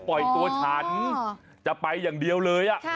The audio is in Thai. ปล่อยตัวฉันจะไปอย่างเดียวเลย